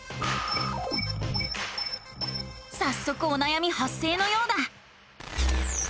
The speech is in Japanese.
さっそくおなやみはっ生のようだ！